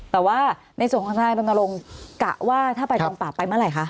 แต่ว่าในส่วนข้างในมันกระว่างว่าถ้าไปกองปราบไปเมื่อไหร่คะ